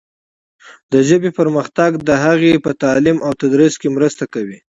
د ژبې پرمختګ د هغې په تعلیم او تدریس کې مرسته کوي.